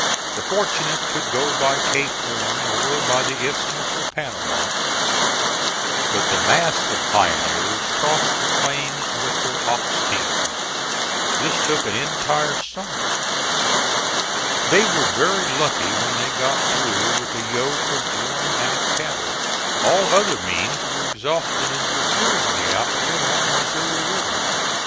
The fortunate could go by Cape Horn or by the Isthmus of Panama; but the mass of pioneers crossed the plains with their ox teams. This took an entire summer. They were very lucky when they got through with a yoke of worn out cattle. All other means were exhausted in procuring the outfit on the Missouri River.